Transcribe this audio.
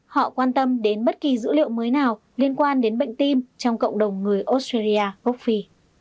họ quan tâm đến bất kỳ dữ liệu mới nào liên quan đến bệnh tim trong cộng đồng người australia gốc phi